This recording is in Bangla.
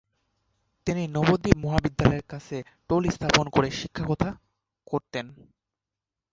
তিনি নবদ্বীপ মহাবিদ্যালয়ের কাছে টোল স্থাপন করে শিক্ষকতা করতেন।